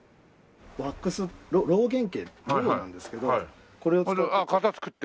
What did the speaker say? ワックスろう原型ろうなんですけどこれを作って。